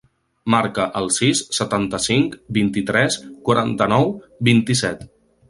Marca el sis, setanta-cinc, vint-i-tres, quaranta-nou, vint-i-set.